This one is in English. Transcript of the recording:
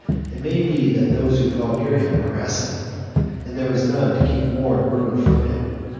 It may be that those who dwell near him harass him, and there is none to keep war and ruin from him.